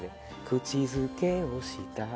「くちづけをした」